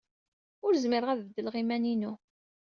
Ur zmireɣ ad beddleɣ iman-inu.